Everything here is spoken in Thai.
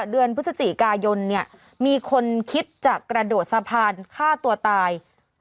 เดือนพฤศจิกายนเนี่ยมีคนคิดจะกระโดดสะพานฆ่าตัวตาย